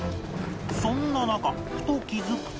そんな中ふと気づくと